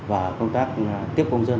và công tác tiếp công dân